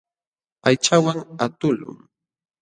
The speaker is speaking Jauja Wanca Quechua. Aychawan aqtuqlun.